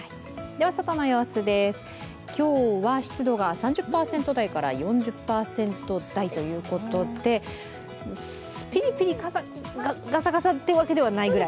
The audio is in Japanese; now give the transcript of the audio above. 外の様子です、今日は湿度が３０％代から４０％代ということでピリピリガサガサってわけではないぐらい？